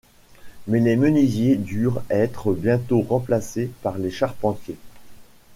Mais les menuisiers durent être bientôt remplacés par les charpentiers.